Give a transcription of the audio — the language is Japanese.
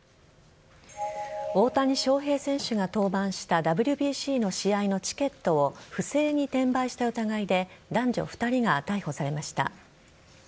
大谷翔平選手が登板したＷＢＣの試合のチケットを不正に転売した疑いで男女２人が逮捕されました。